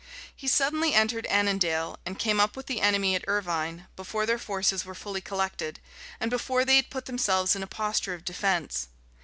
He suddenly entered Annandale, and came up with the enemy at Irvine, before their forces were fully collected, and before they had put themselves in a posture of defence.